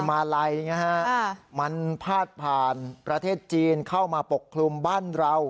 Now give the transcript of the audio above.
มาลัยนะฮะมันพาดผ่านประเทศจีนเข้ามาปกคลุมบ้านเรา